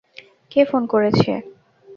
কে phone করেছে?